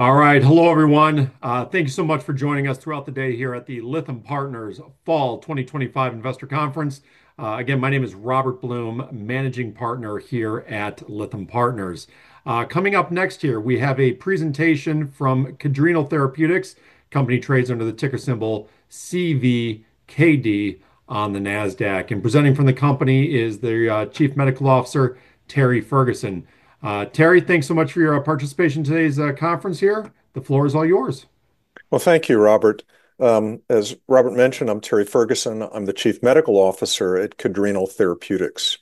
All right, hello everyone. Thank you so much for joining us throughout the day here at the Lytham Partners Fall 2025 Investor Conference. Again, my name is Robert Blum, Managing Partner here at Lytham Partners. Coming up next, we have a presentation from Cadrenal Therapeutics, company trades under the ticker symbol CVKD on the NASDAQ. Presenting from the company is their Chief Medical Officer, Terry Ferguson. Terry, thanks so much for your participation in today's conference. The floor is all yours. Thank you, Robert. As Robert mentioned, I'm Terry Ferguson. I'm the Chief Medical Officer at Cadrenal Therapeutics.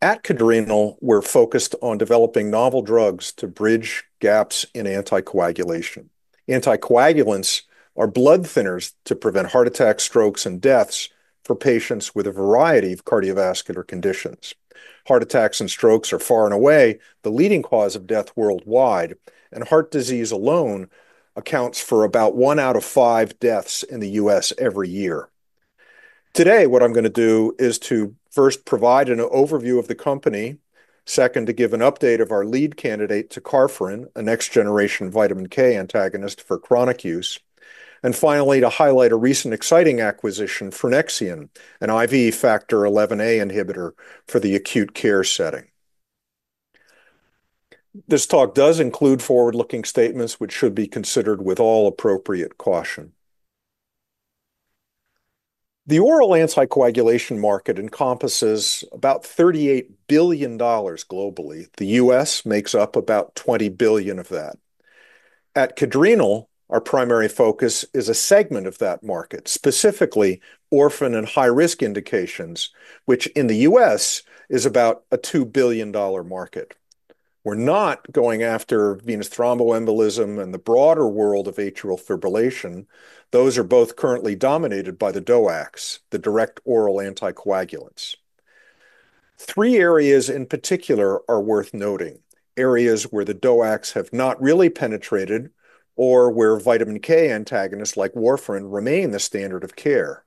At Cadrenal, we're focused on developing novel drugs to bridge gaps in anticoagulation. Anticoagulants are blood thinners to prevent heart attacks, strokes, and deaths for patients with a variety of cardiovascular conditions. Heart attacks and strokes are far and away the leading cause of death worldwide, and heart disease alone accounts for about one out of five deaths in the U.S. every year. Today, what I'm going to do is to first provide an overview of the company, second to give an update of our lead candidate tecarfarin, a next-generation vitamin K antagonist for chronic use, and finally to highlight a recent exciting acquisition, frunexian, an IV Factor XIa inhibitor for the acute care setting. This talk does include forward-looking statements, which should be considered with all appropriate caution. The oral anticoagulation market encompasses about $38 billion globally. The U.S. makes up about $20 billion of that. At Cadrenal, our primary focus is a segment of that market, specifically orphan and high-risk indications, which in the U.S. is about a $2 billion market. We're not going after venous thromboembolism and the broader world of atrial fibrillation. Those are both currently dominated by the DOACs, the direct oral anticoagulants. Three areas in particular are worth noting: areas where the DOACs have not really penetrated or where vitamin K antagonists like warfarin remain the standard of care.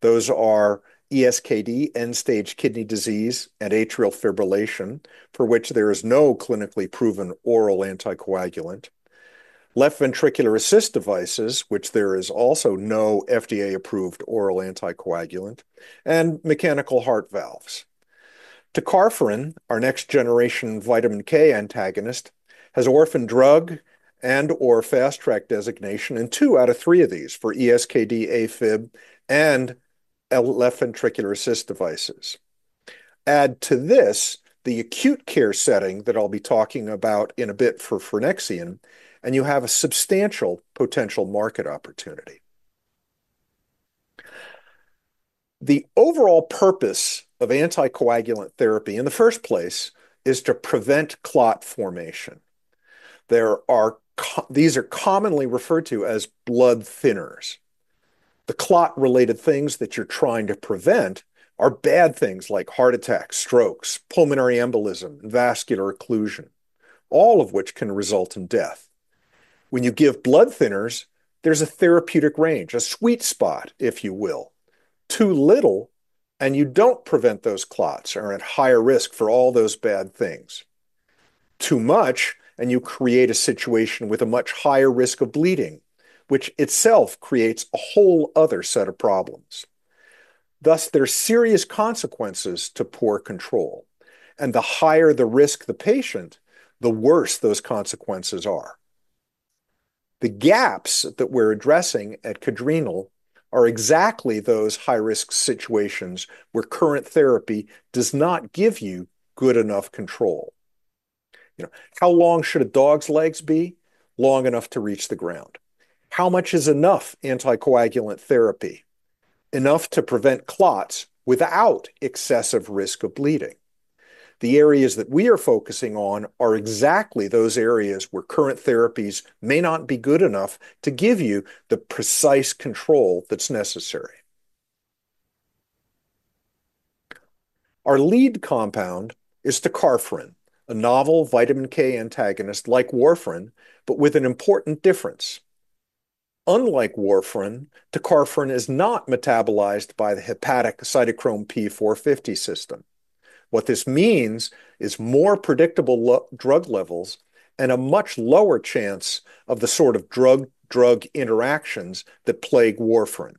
Those are end-stage kidney disease, or ESKD, and atrial fibrillation, for which there is no clinically proven oral anticoagulant; left ventricular assist devices, for which there is also no FDA-approved oral anticoagulant; and mechanical heart valves. Tecarfarin, our next-generation vitamin K antagonist, has orphan drug and/or fast track designation in two out of three of these for ESKD, AFib, and left ventricular assist devices. Add to this the acute care setting that I'll be talking about in a bit for frunexian, and you have a substantial potential market opportunity. The overall purpose of anticoagulant therapy in the first place is to prevent clot formation. These are commonly referred to as blood thinners. The clot-related things that you're trying to prevent are bad things like heart attacks, strokes, pulmonary embolism, and vascular occlusion, all of which can result in death. When you give blood thinners, there's a therapeutic range, a sweet spot, if you will. Too little and you don't prevent those clots, are at higher risk for all those bad things. Too much and you create a situation with a much higher risk of bleeding, which itself creates a whole other set of problems. Thus, there are serious consequences to poor control, and the higher the risk the patient, the worse those consequences are. The gaps that we're addressing at Cadrenal are exactly those high-risk situations where current therapy does not give you good enough control. How long should a dog's legs be? Long enough to reach the ground. How much is enough anticoagulant therapy? Enough to prevent clots without excessive risk of bleeding. The areas that we are focusing on are exactly those areas where current therapies may not be good enough to give you the precise control that's necessary. Our lead compound is tecarfarin, a novel vitamin K antagonist like warfarin, but with an important difference. Unlike warfarin, tecarfarin is not metabolized by the hepatic cytochrome P450 system. What this means is more predictable drug levels and a much lower chance of the sort of drug-drug interactions that plague warfarin.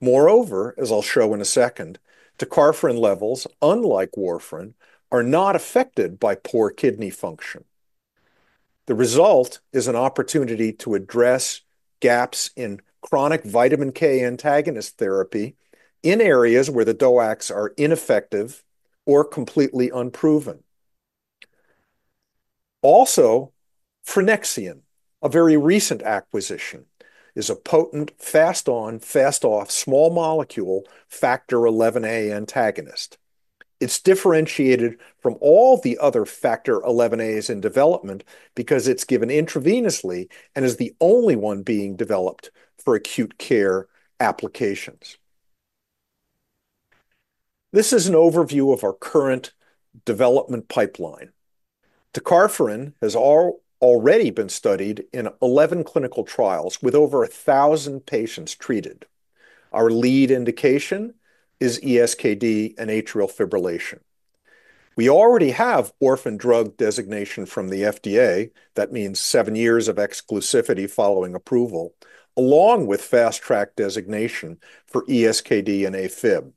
Moreover, as I'll show in a second, tecarfarin levels, unlike warfarin, are not affected by poor kidney function. The result is an opportunity to address gaps in chronic vitamin K antagonist therapy in areas where the DOACs are ineffective or completely unproven. Also, frunexian, a very recent acquisition, is a potent fast-on, fast-off small molecule Factor XIa antagonist. It's differentiated from all the other Factor XIa inhibitors in development because it's given intravenously and is the only one being developed for acute care applications. This is an overview of our current development pipeline. Tecarfarin has already been studied in 11 clinical trials with over 1,000 patients treated. Our lead indication is ESKD and atrial fibrillation. We already have orphan drug designation from the FDA. That means seven years of exclusivity following approval, along with fast track designation for ESKD and AFib.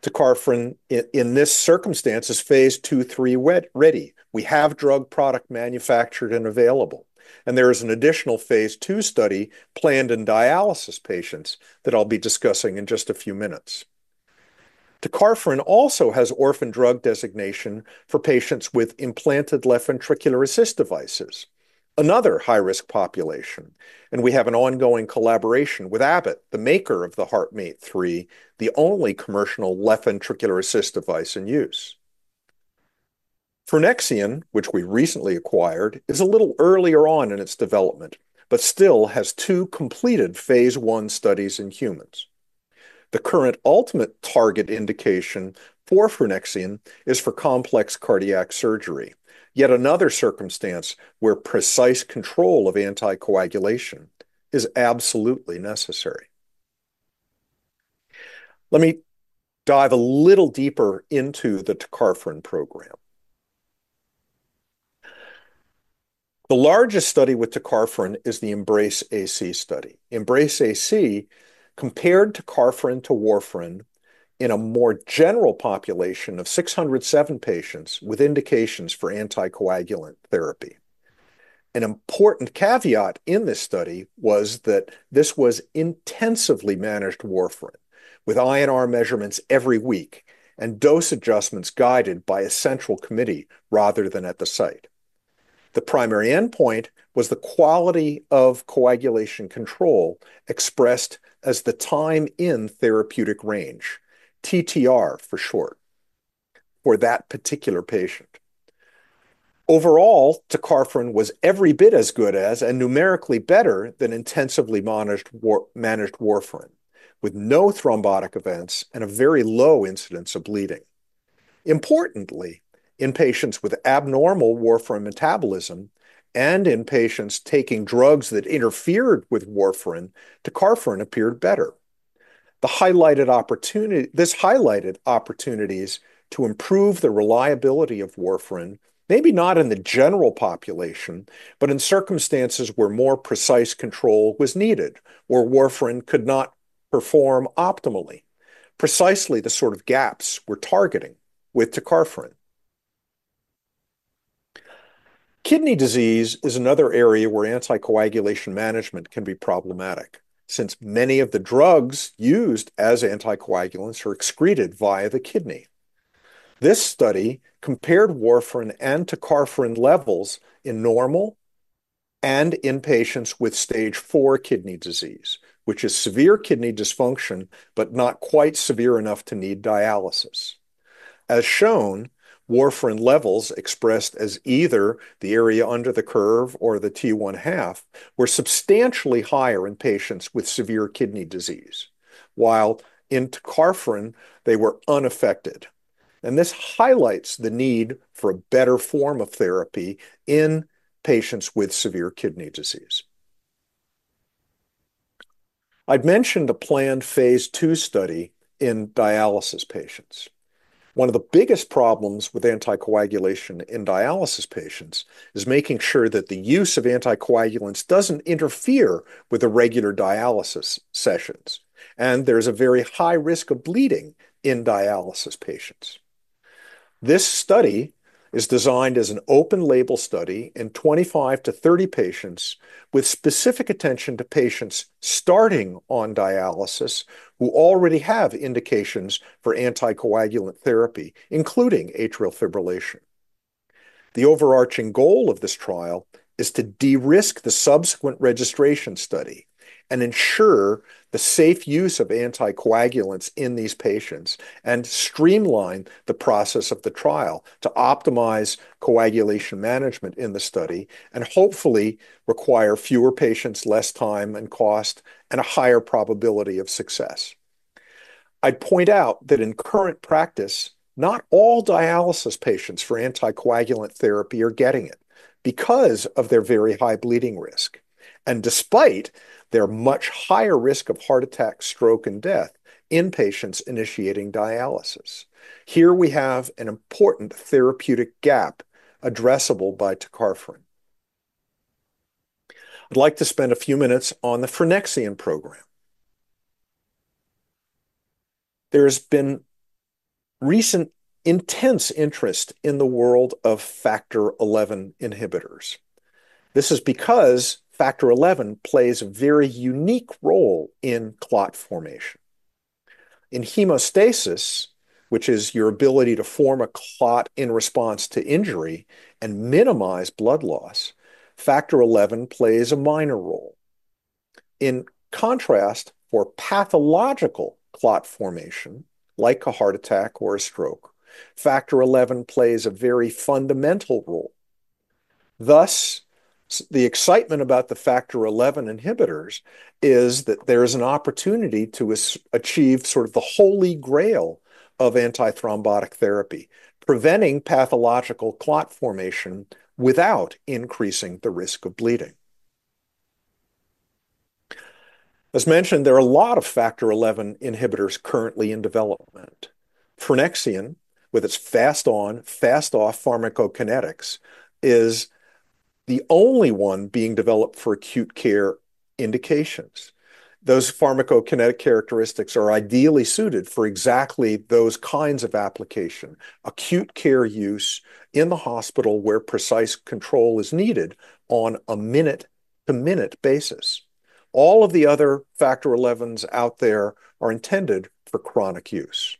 Tecarfarin, in this circumstance, is phase II, III ready. We have drug product manufactured and available, and there is an additional phase II study planned in dialysis patients that I'll be discussing in just a few minutes. Tecarfarin also has orphan drug designation for patients with implanted left ventricular assist devices, another high-risk population. We have an ongoing collaboration with Abbott, the maker of the HeartMate 3, the only commercial left ventricular assist device in use. Frunexian, which we recently acquired, is a little earlier on in its development, but still has two completed phase I studies in humans. The current ultimate target indication for frunexian is for complex cardiac surgery, yet another circumstance where precise control of anticoagulation is absolutely necessary. Let me dive a little deeper into the tecarfarin program. The largest study with tecarfarin is the EmbraceAC study. EmbraceAC compared tecarfarin to warfarin in a more general population of 607 patients with indications for anticoagulant therapy. An important caveat in this study was that this was intensively managed warfarin with INR measurements every week and dose adjustments guided by a central committee rather than at the site. The primary endpoint was the quality of coagulation control expressed as the time in therapeutic range, TTR for short, for that particular patient. Overall, tecarfarin was every bit as good as and numerically better than intensively managed warfarin, with no thrombotic events and a very low incidence of bleeding. Importantly, in patients with abnormal warfarin metabolism and in patients taking drugs that interfered with warfarin, tecarfarin appeared better. This highlighted opportunities to improve the reliability of warfarin, maybe not in the general population, but in circumstances where more precise control was needed, where warfarin could not perform optimally. Precisely the sort of gaps we're targeting with tecarfarin. Kidney disease is another area where anticoagulation management can be problematic since many of the drugs used as anticoagulants are excreted via the kidney. This study compared warfarin and tecarfarin levels in normal and in patients with stage 4 kidney disease, which is severe kidney dysfunction but not quite severe enough to need dialysis. As shown, warfarin levels expressed as either the area under the curve or the t1/2 were substantially higher in patients with severe kidney disease, while in tecarfarin they were unaffected. This highlights the need for a better form of therapy in patients with severe kidney disease. I'd mentioned the planned phase II study in dialysis patients. One of the biggest problems with anticoagulation in dialysis patients is making sure that the use of anticoagulants doesn't interfere with irregular dialysis sessions, and there's a very high risk of bleeding in dialysis patients. This study is designed as an open-label study in 25-30 patients with specific attention to patients starting on dialysis who already have indications for anticoagulant therapy, including atrial fibrillation. The overarching goal of this trial is to de-risk the subsequent registration study and ensure the safe use of anticoagulants in these patients and streamline the process of the trial to optimize coagulation management in the study and hopefully require fewer patients, less time and cost, and a higher probability of success. I'd point out that in current practice, not all dialysis patients for anticoagulant therapy are getting it because of their very high bleeding risk and despite their much higher risk of heart attack, stroke, and death in patients initiating dialysis. Here we have an important therapeutic gap addressable by tecarfarin. I'd like to spend a few minutes on the frunexian program. There's been recent intense interest in the world of Factor XI inhibitors. This is because Factor XI plays a very unique role in clot formation. In hemostasis, which is your ability to form a clot in response to injury and minimize blood loss, Factor XI plays a minor role. In contrast, for pathological clot formation, like a heart attack or a stroke, Factor XI plays a very fundamental role. Thus, the excitement about the Factor XI inhibitors is that there is an opportunity to achieve sort of the holy grail of antithrombotic therapy, preventing pathological clot formation without increasing the risk of bleeding. As mentioned, there are a lot of Factor XI inhibitors currently in development. frunexian, with its fast-on, fast-off pharmacokinetics, is the only one being developed for acute care indications. Those pharmacokinetic characteristics are ideally suited for exactly those kinds of application, acute care use in the hospital where precise control is needed on a minute-to-minute basis. All of the Factor XIXIs out there are intended for chronic use.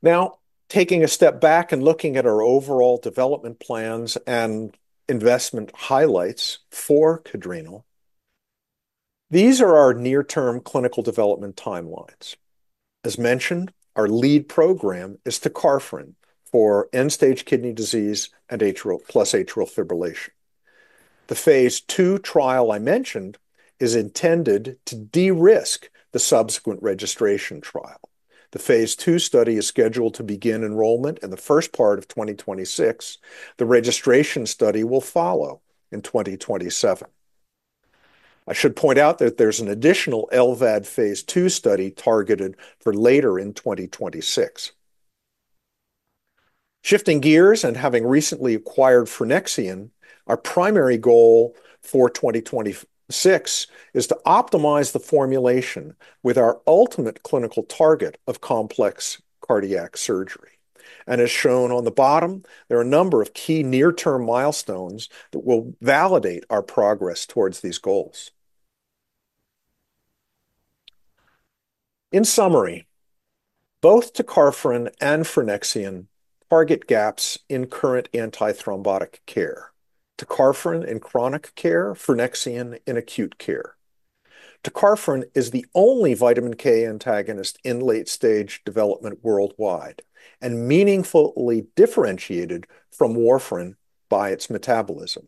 Now, taking a step back and looking at our overall development plans and investment highlights for Cadrenal, these are our near-term clinical development timelines. As mentioned, our lead program is tecarfarin for end-stage kidney disease and plus atrial fibrillation. The phase II trial I mentioned is intended to de-risk the subsequent registration trial. The phase II study is scheduled to begin enrollment in the first part of 2026. The registration study will follow in 2027. I should point out that there's an additional LVAD phase II study targeted for later in 2026. Shifting gears and having recently acquired frunexian, our primary goal for 2026 is to optimize the formulation with our ultimate clinical target of complex cardiac surgery. As shown on the bottom, there are a number of key near-term milestones that will validate our progress towards these goals. In summary, both tecarfarin and frunexian target gaps in current antithrombotic care, Tecarfarin in chronic care, frunexian in acute care. Tecarfarin is the only vitamin K antagonist in late-stage development worldwide and meaningfully differentiated from warfarin by its metabolism.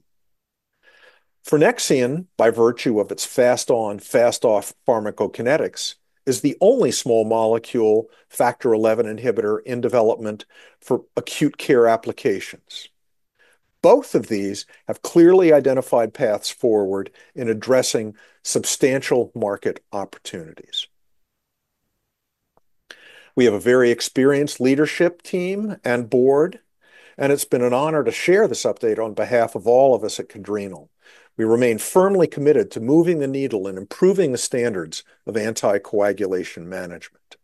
Frunexian, by virtue of its fast-on, fast-off pharmacokinetics, is the only small molecule Factor XI inhibitor in development for acute care applications. Both of these have clearly identified paths forward in addressing substantial market opportunities. We have a very experienced leadership team and board, and it's been an honor to share this update on behalf of all of us at Cadrenal. We remain firmly committed to moving the needle and improving the standards of anticoagulation management.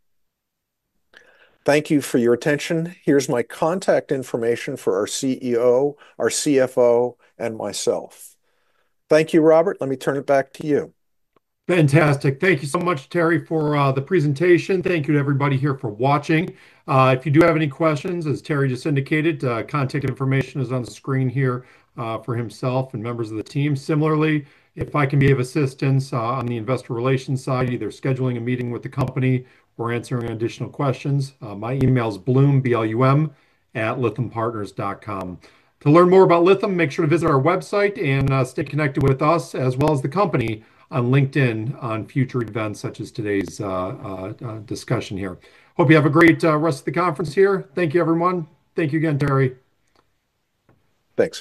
Thank you for your attention. Here's my contact information for our CEO, our CFO, and myself. Thank you, Robert. Let me turn it back to you. Fantastic. Thank you so much, Terry, for the presentation. Thank you to everybody here for watching. If you do have any questions, as Terry just indicated, contact information is on the screen here for himself and members of the team. Similarly, if I can be of assistance on the investor relations side, either scheduling a meeting with the company or answering additional questions, my email is blum@lythampartners.com. To learn more about Lytham, make sure to visit our website and stay connected with us as well as the company on LinkedIn on future events such as today's discussion here. Hope you have a great rest of the conference here. Thank you, everyone. Thank you again, Terry. Thanks.